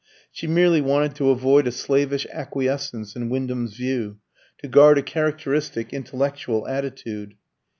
She merely wanted to avoid a slavish acquiescence in Wyndham's view, to guard a characteristic intellectual attitude.